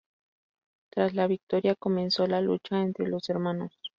Tras la victoria, comenzó la lucha entre los hermanos.